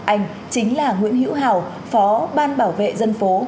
anh chính là nguyễn hữu hào phó ban bảo vệ dân phố